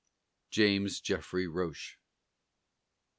JAMES JEFFREY ROCHE.